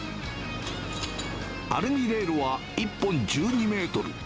アルミレールは１本１２メートル。